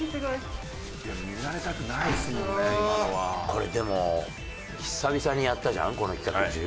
これでも久々にやったじゃんこの企画。